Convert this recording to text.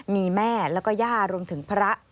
มีแม่แล้วก็ย่ารวมถึงพระ